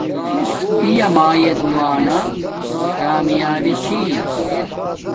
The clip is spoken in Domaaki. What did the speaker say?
پیا مایے دعا نا کامیابی چھی